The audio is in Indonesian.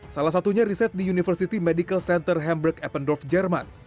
salah satunya riset di university medical center hamburg ependorf jerman